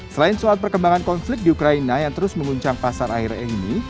selain soal perkembangan konflik di ukraina yang terus menguncang pasar akhirnya ini